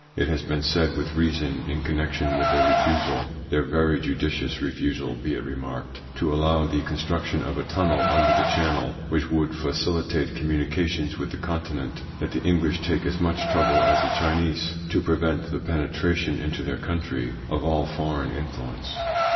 It has been said with reason, in connection with their refusal their very judicious refusal be it remarked to allow the construction of a tunnel under the Channel, which would facilitate communications with the Conti nent, that the English take as much trouble as the Chinese to prevent the penetration into their country of all foreign influence.